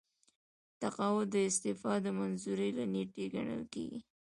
تقاعد د استعفا د منظورۍ له نیټې ګڼل کیږي.